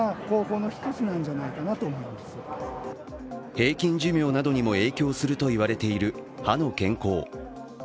平均寿命などにも影響するといわれている、歯の健康。